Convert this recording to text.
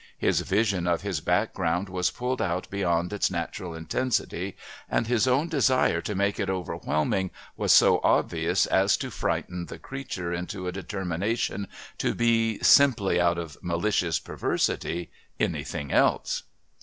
His vision of his background was pulled out beyond its natural intensity and his own desire to make it overwhelming was so obvious as to frighten the creature into a determination to be, simply out of malicious perversity, anything else.